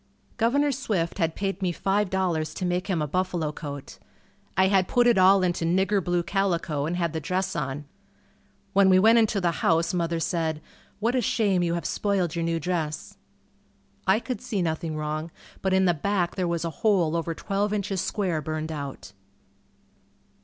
Governor Swift had paid me $5.00 to make him a buffalo coat. I had put it all into "nigger blue" calico and had the dress on. When we went into the house mother said, "What a shame you have spoiled your new dress." I could see nothing wrong, but in the back there was a hole over twelve inches square burned out.